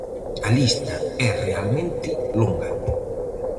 A lista é realmente longa.